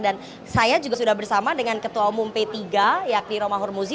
dan saya juga sudah bersama dengan ketua umum p tiga yakni rumah ormuzi